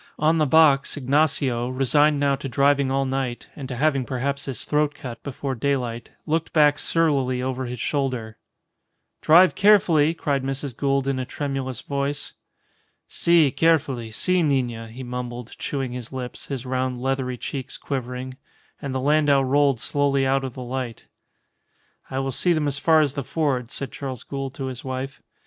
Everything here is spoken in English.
On the box, Ignacio, resigned now to driving all night (and to having perhaps his throat cut before daylight) looked back surlily over his shoulder. "Drive carefully," cried Mrs. Gould in a tremulous voice. "Si, carefully; si nina," he mumbled, chewing his lips, his round leathery cheeks quivering. And the landau rolled slowly out of the light. "I will see them as far as the ford," said Charles Gould to his wife.